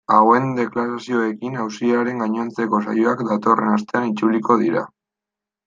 Hauen deklarazioekin auziaren gainontzeko saioak datorren astean itzuliko dira.